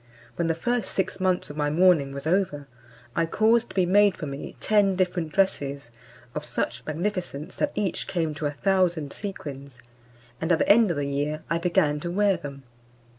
When the first six months of my mourning was over, I caused to be made for me ten different dresses, of such magnificence that each came to a thousand sequins; and at the end of the year I began to wear them.